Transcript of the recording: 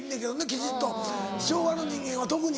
きちっと昭和の人間は特に。